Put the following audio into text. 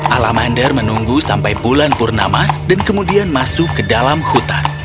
alamander menunggu sampai bulan purnama dan kemudian masuk ke dalam hutan